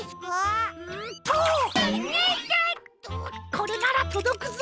これならとどくぞ。